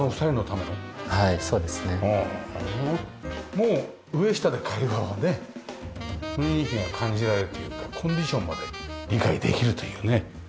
もう上下で会話はね雰囲気が感じられるというかコンディションまで理解できるというね。